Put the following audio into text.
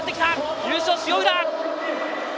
優勝は塩浦！